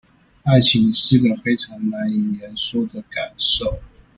愛情是個非常難以言說的感受